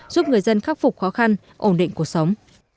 giúp người dân khắc phục khó khăn ổn định cuộc sống